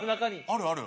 あるある。